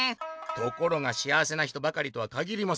「ところがしあわせな人ばかりとはかぎりません。